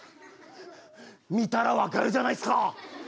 見たら分かるじゃないっすか。